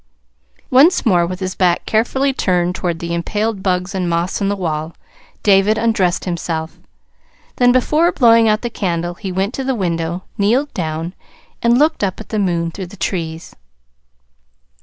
Once more, with his back carefully turned toward the impaled bugs and moths on the wall, David undressed himself. Then, before blowing out the candle, he went to the window kneeled down, and looked up at the moon through the trees.